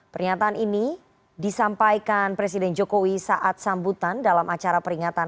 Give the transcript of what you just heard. pernyataan ini disampaikan presiden jokowi saat sambutan dalam acara peringatan